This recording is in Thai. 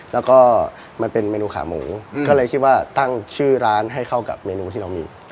แล้วก็มันเป็นเมนูขาหมูก็เลยคิดว่าตั้งชื่อร้านให้เข้ากับเมนูที่เรามี